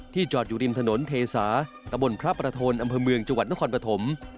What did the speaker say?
จอดอยู่ริมถนนเทสาตะบนพระประทนอำเภอเมืองจังหวัดนครปฐม